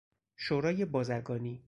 شورای بازرگانی